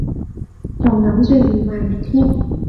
仲諗住預埋你添